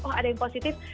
oh ada yang positif